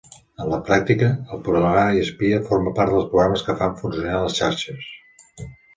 En la pràctica, el 'programari espia' forma part dels programes que fan funcionar les xarxes.